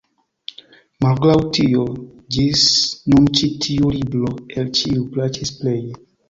Malgraŭ tio, ĝis nun ĉi tiu libro el ĉiuj plaĉis pleje.